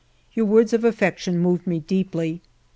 Your words of affection moved me deeply.